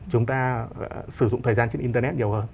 chúng ta sử dụng thời gian trên internet nhiều hơn